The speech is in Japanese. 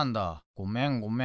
ごめんごめん。